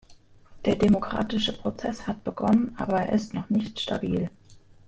Der demokratische Prozess hat begonnen, aber er ist noch nicht stabil.